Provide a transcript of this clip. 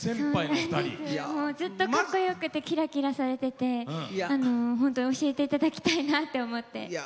ずっと格好よくてキラキラしていて本当に教えていただきたいなと思って。